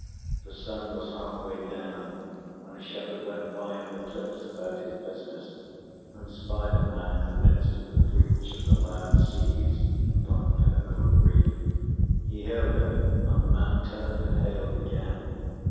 The sun was half way down, when a shepherd went by on the cliffs about his business, and spied a man in the midst of the breach of the loud seas, upon a pinnacle of reef. He hailed him, and the man turned and hailed again.